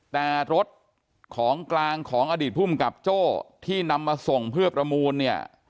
แต่รถของกลางของอดีตภูมิกับโจ้ที่นำมาส่งเพื่อประมูลเนี่ย